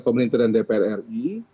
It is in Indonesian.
pemerintah dan dpr ri